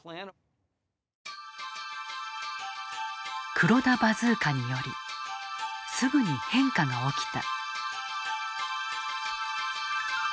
黒田バズーカによりすぐに変化が起きた。